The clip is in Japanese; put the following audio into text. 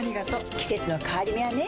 季節の変わり目はねうん。